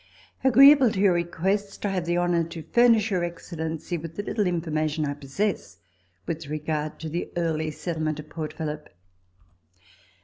Agreeable to your request, I have the honour to furnish Your Excellency with the little information I possess with regard to the early settlement of Port Phillip.